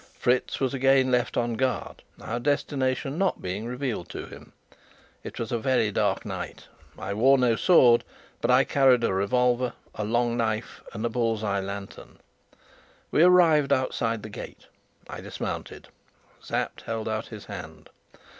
Fritz was again left on guard, our destination not being revealed to him. It was a very dark night. I wore no sword, but I carried a revolver, a long knife, and a bull's eye lantern. We arrived outside the gate. I dismounted. Sapt held out his hand.